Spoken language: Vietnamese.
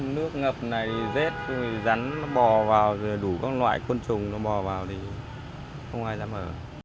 nước ngập này rết rắn bò vào đủ các loại côn trùng bò vào thì không ai dám ở